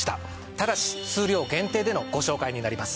ただし数量限定でのご紹介になります。